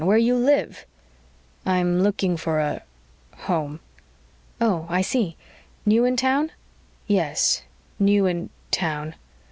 Where you live." "I'm looking for a home." "Oh, I see. New in town?" "Yes, new in town."